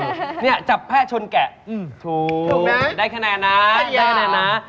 เนี่ยจับแพ่ชนแกะถูกนะได้คะแนนนะไม่หยอก